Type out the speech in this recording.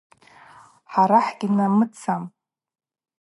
Хӏара хӏыгьнамыцам.